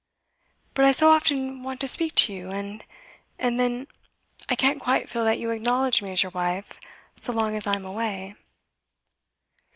But I so often want to speak to you and and then, I can't quite feel that you acknowledge me as your wife so long as I am away.